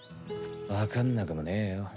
わかんなくもねえよ